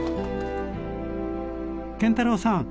建太郎さん